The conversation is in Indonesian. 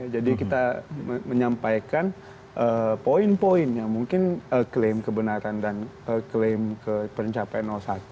jadi kita menyampaikan poin poin yang mungkin klaim kebenaran dan klaim ke pencapaian satu